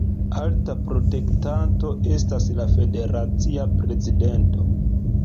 Alta protektanto estas la federacia prezidento.